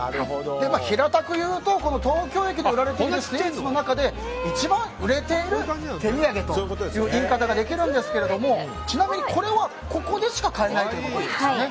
平たく言うと、東京駅で売られているスイーツの中で一番売れている手土産という言い方ができるんですけれどもちなみに、これはここでしか買えないんですよね。